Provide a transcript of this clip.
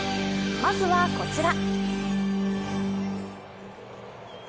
まずはこちら。